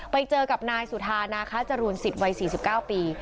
ไปเจอกับนายสุธานาคะจรูนสิทธิวัย๔๙ปี